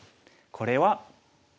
これは。